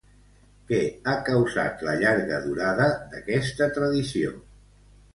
Què ha causat la llarga durada d'aquesta tradició?